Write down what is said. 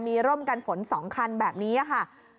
มีร่มกันฝน๒คันแบบนี้ค่ะ